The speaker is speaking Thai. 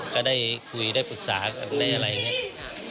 ก็ได้คุยได้ปรึกษากันได้อะไรอย่างนี้